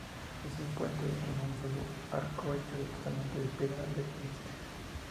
Es un puente de un solo arco hecho totalmente de piedra de Istria.